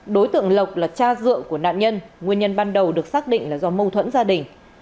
đối tượng lộc là cha dượ của nạn nhân nguyên nhân ban đầu được xác định là do mâu thuẫn gia đình